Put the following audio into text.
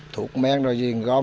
thuộc men rồi gì gom